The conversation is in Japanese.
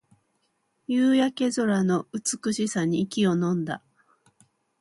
夕焼け空の美しさに息をのんだ